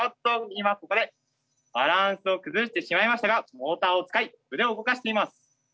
今ここでバランスを崩してしまいましたがモーターを使い腕を動かしています。